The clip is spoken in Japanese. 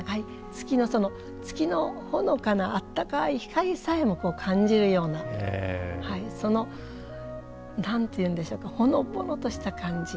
月の月のほのかなあったかい光さえも感じるようなその何て言うんでしょうかほのぼのとした感じ。